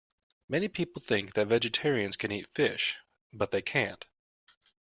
Many people think that vegetarians can eat fish, but they can't